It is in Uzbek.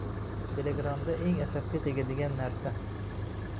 Telegramda eng asabga tegadigan narsa